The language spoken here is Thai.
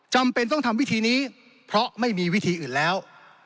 จำเป็นต้องทำวิธีนี้เพราะไม่มีวิธีอื่นแล้ว